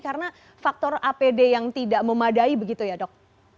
karena faktor apd yang tidak memadai begitu ya dok